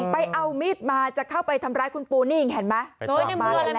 ไปเอามีดมาจะเข้าไปทำร้ายคุณปูนี่เห็นไหม